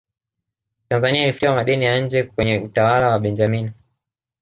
tanzania ilifutiwa madeni ya nje kwenye utawala wa benjamini